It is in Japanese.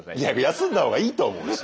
休んだ方がいいと思う。